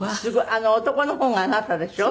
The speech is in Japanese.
あの男の方があなたでしょ？